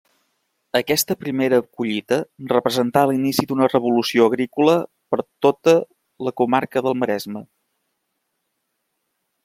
Aquesta primera collita representà l'inici d'una revolució agrícola per a tota la comarca del Maresme.